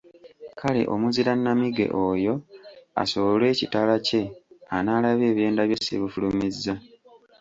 Kale omuzira nnamige oyo asowole ekitala kye anaalaba ebyenda bye sibifulumizza.